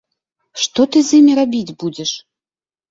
Што ты з імі рабіць будзеш?